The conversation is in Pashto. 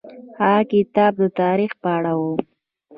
هغه کتاب د تاریخ په اړه و.